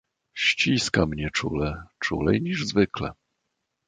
"Ściska mnie czule, czulej niż zwykle."